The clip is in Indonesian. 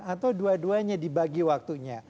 atau dua duanya dibagi waktunya